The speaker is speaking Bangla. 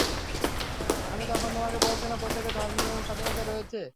আমি তখন তোমাকে বলেছিলাম, প্রত্যেকের ধর্মীয় স্বাধীনতা রয়েছে।